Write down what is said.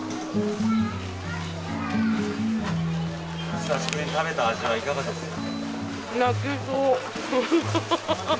久しぶりに食べた味はいかがですか？